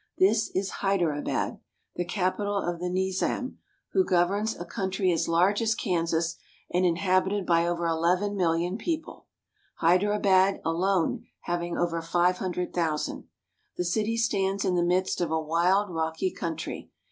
This is Haidarabad, the capital of the Nizam, who governs a country as large as Kansas and inhabited by over eleven million people, Haidarabad alone having over five hundred thousand. The city stands in the midst of a wild, rocky country.